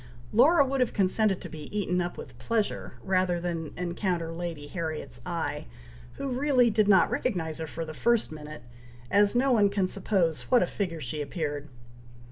Laura would have consented to be eaten up with pleasure, rather than encounter Lady Harriet's eye, who really did not recognize her for the first minute, as no one can suppose what a figure she appeared.